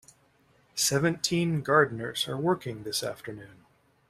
Seventeen gardeners are working this afternoon.